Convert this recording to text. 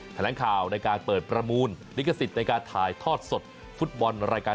แถลงข่าวในการเปิดประมูลลิขสิทธิ์ในการถ่ายทอดสดฟุตบอลรายการ